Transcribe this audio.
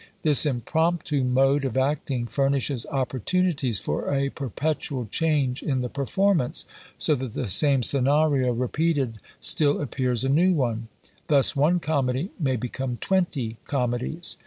This impromptu mode of acting furnishes opportunities for a perpetual change in the performance, so that the same scenario repeated still appears a new one: thus one Comedy may become twenty Comedies.